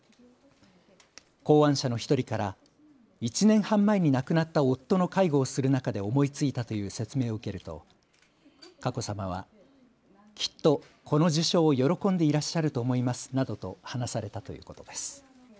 考案者の１人から１年半前に亡くなった夫の介護をする中で思いついたという説明を受けると佳子さまはきっとこの受賞を喜んでいらっしゃると思いますなどと話されたということです。